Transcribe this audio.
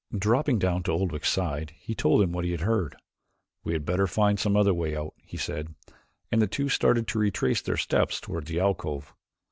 Dropping down to Oldwick's side he told him what he had heard. "We had better find some other way out," he said, and the two started to retrace their steps toward the alcove.